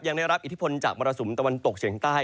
ยังได้รับอิทธิพลจากมรสุมตะวันตกเฉียงใต้